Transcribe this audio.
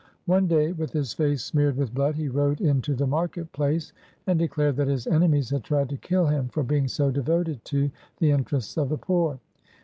One day, with his face smeared with blood, he rode into the market place and declared that his enemies had tried to kill him for being so devoted to the interests of the poor.